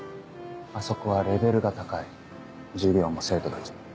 あそこはレベルが高い授業も生徒たちも。